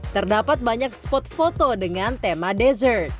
terdapat banyak spot foto dengan tema dessert